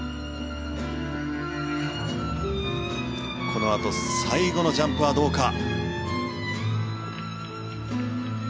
このあと最後のジャンプはどうか。